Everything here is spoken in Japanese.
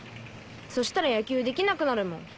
そしたら野球できなくなるもん。